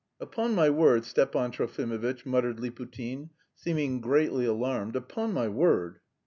"Upon my word, Stepan Trofimovitch," muttered Liputin, seeming greatly alarmed, "upon my word..."